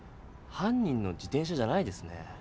犯人の自転車じゃないですね。